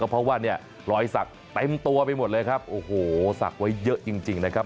เพราะว่าเนี่ยรอยสักเต็มตัวไปหมดเลยครับโอ้โหศักดิ์ไว้เยอะจริงนะครับ